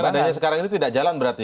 adanya sekarang ini tidak jalan berarti